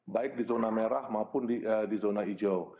baik di zona merah maupun di zona hijau